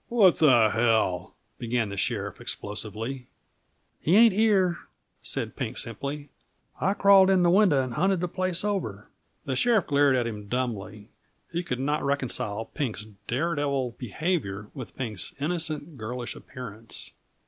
"What the hell," began the sheriff explosively. "He ain't here," said Pink simply. "I crawled in the window and hunted the place over." The sheriff glared at him dumbly; he could not reconcile Pink's daredevil behavior with Pink's innocent, girlish appearance.